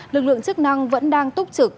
lực lượng chức năng vẫn đang túc trực